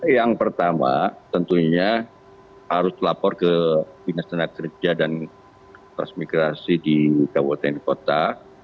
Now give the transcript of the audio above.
yang pertama tentunya harus lapor ke binas ketenagakerjaan dan transmigrasi di kabupaten kota